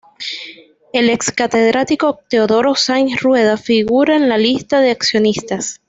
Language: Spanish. El ex catedrático Teodoro Sainz Rueda figura en la lista de accionistas.